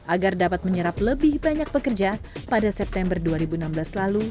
agar dapat menyerap lebih banyak pekerja pada september dua ribu enam belas lalu